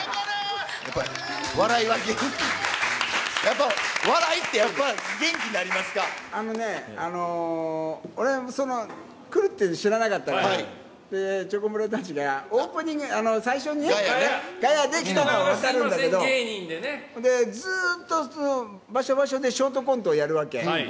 やっぱ笑いって、やっぱ元気俺、来るって知らなかったから、チョコプラたちがオープニング、最初にがやで来たのは分かるんだけど、それでずっと場所場所でショートコントをやるわけ。